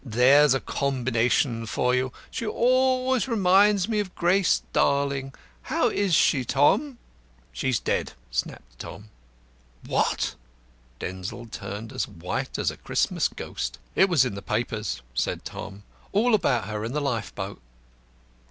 There's a combination for you. She always reminds me of Grace Darling. How is she, Tom?" "She's dead!" snapped Tom. "What?" Denzil turned as white as a Christmas ghost. "It was in the papers," said Tom; "all about her and the lifeboat."